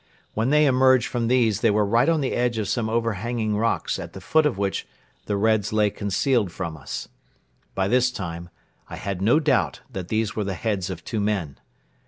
When they emerged from these, they were right on the edge of some overhanging rocks at the foot of which the Reds lay concealed from us. By this time I had no doubt that these were the heads of two men.